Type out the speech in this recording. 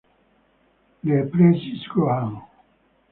Le Plessis-Grohan